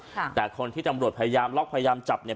ค่ะแต่คนที่ตำรวจพยายามล็อกพยายามจับเนี่ย